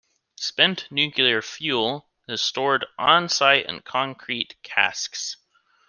Spent nuclear fuel is stored on-site in concrete casks.